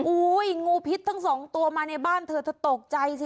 อุ้ยงูพิษทั้งสองตัวมาในบ้านเธอเธอตกใจสิ